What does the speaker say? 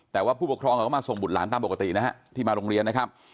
แต่ว่าผู้ปกครองเขาก็มาส่งบุตรหลานตามปกตินะฮะที่มาโรงเรียนนะครับ